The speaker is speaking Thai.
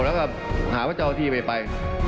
แล้วก็หาว่าจะเอาทีไป